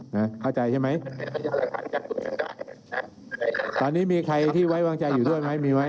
นะเข้าใจใช่ไหมตอนนี้มีใครที่ไว้วางใจอยู่ด้วยไหมมีไหม